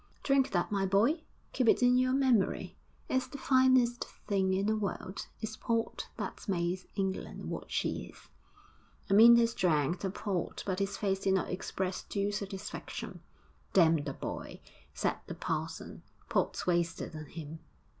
'Drink that, my boy. Keep it in your memory. It's the finest thing in the world. It's port that's made England what she is!' Amyntas drank the port, but his face did not express due satisfaction. 'Damn the boy!' said the parson. 'Port's wasted on him.'